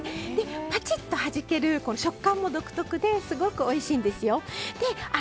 パチッとはじける食感も独特ですごくおいしいんですよ。